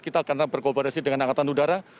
kita karena berkoordinasi dengan angkatan udara